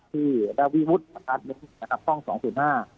ที่ดาวีวุฒิประทัดนึงนะครับห้องสองสี่สิบห้า